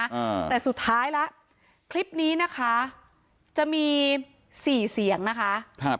อ่าแต่สุดท้ายแล้วคลิปนี้นะคะจะมีสี่เสียงนะคะครับ